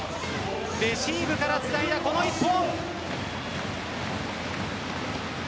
レシーブからつないだこの１本。